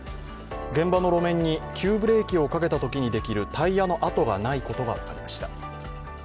現場の路面に急ブレーキをかけたときにできるタイヤの痕がないことが分かりました。